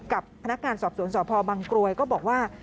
กับพนักงานสอบสวนสพบังกรวยก็บอกว่า